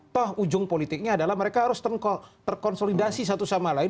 toh ujung politiknya adalah mereka harus terkonsolidasi satu sama lain